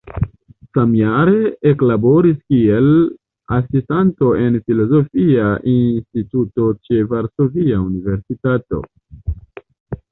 Samjare eklaboris kiel asistanto en Filozofia Instituto ĉe Varsovia Universitato.